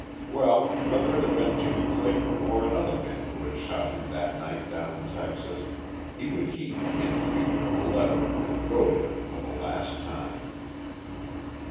Well, whether it had been Jimmie Clayton or another who had shot him that night down in Texas, he would heed the entreaty of the letter and go to him for the last time.